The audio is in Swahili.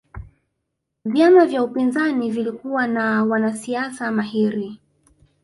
vyama vya upinzani vilikuwa na wanasiasa mahiri